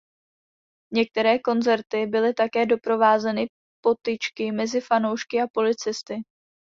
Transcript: Některé koncerty byly také doprovázeny potyčky mezi fanoušky a policisty.